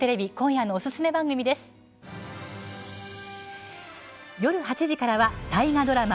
夜８時からは大河ドラマ